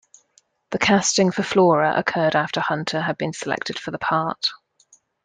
The casting for Flora occurred after Hunter had been selected for the part.